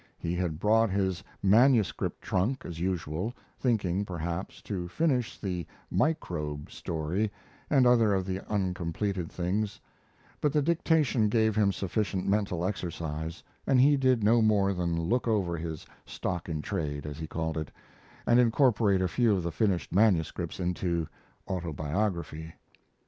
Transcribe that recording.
He had brought his "manuscript trunk" as usual, thinking, perhaps, to finish the "microbe" story and other of the uncompleted things; but the dictation gave him sufficient mental exercise, and he did no more than look over his "stock in trade," as he called it, and incorporate a few of the finished manuscripts into "autobiography."